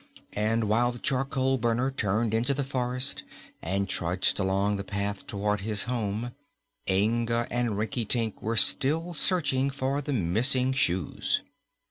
And while the charcoal burner turned into the forest and trudged along the path toward his home, Inga and Rinkitink were still searching for the missing shoes.